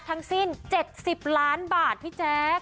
ทั้งสิ้น๗๐ล้านบาทพี่แจ๊ค